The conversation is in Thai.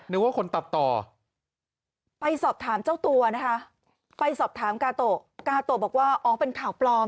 นึกว่าคนตัดต่อไปสอบถามเจ้าตัวนะคะไปสอบถามกาโตะกาโตะบอกว่าอ๋อเป็นข่าวปลอม